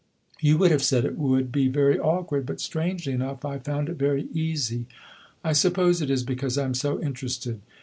You would have said it would be very awkward; but, strangely enough, I found it very easy. I suppose it is because I am so interested.